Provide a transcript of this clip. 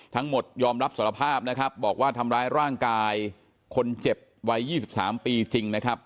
ยอมรับสารภาพนะครับบอกว่าทำร้ายร่างกายคนเจ็บวัย๒๓ปีจริงนะครับ